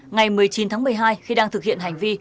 ngày một mươi chín tháng một mươi hai khi đang thực hiện hành vi